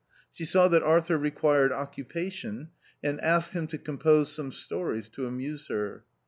She saw that Arthur required occupation, and asked him to compose some stories to amuse her.